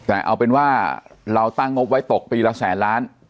แต่เอาเป็นว่าเราตั้งงบไว้ตกปีละแสนล้าน